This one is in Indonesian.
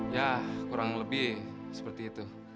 ya kurang lebih seperti itu